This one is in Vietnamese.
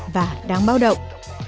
và đáng bao động